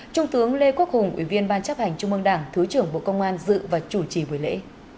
trung tướng lê quốc hùng ủy viên ban chấp hành trung mương đảng thứ trưởng bộ công an dự và chủ trì buổi lễ